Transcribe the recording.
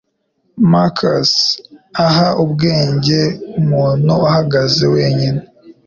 marcus aha ubwenge umuntu uhagaze wenyine